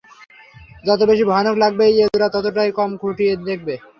যত বেশি ভয়ানক লাগবে, এজরা ততটাই কম খুটিয়ে দেখবে।